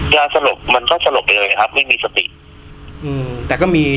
ยาสลบมันก็สลบเลยครับไม่มีสติ